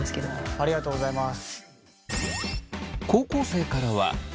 ありがとうございます。